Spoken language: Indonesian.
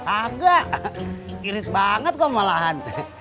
agak irit banget kok malahan